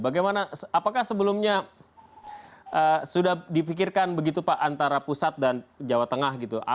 bagaimana apakah sebelumnya sudah dipikirkan begitu pak antara pusat dan jawa tengah gitu